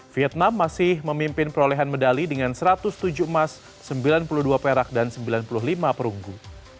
vietnam masih memimpin perolehan medali dengan satu ratus tujuh emas sembilan puluh dua perak dan sembilan puluh lima perunggu